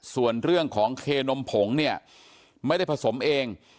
ส่วนเรื่องของเคนมผงเนี่ยไม่ได้ผสมเอง